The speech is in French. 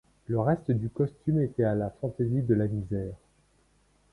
Le reste du costume était à la fantaisie de la misère.